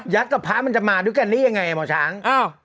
ยักษ์กับพระมันจะมาด้วยกันอย่างไงบ่๊าสม